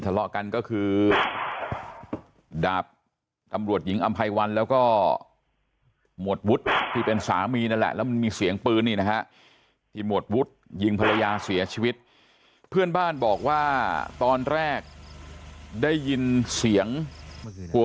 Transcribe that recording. ทะเลาะกันก็คือดาบตำรวจหญิงอำไพวันแล้วก็หมวดวุฒิที่เป็นสามีนั่นแหละแล้วมันมีเสียงปืนนี่นะฮะที่หมวดวุฒิยิงภรรยาเสียชีวิตเพื่อนบ้านบอกว่าตอนแรกได้ยินเสียงกลัว